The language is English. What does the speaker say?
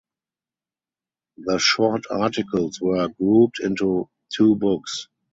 The "Short" articles were grouped into two books.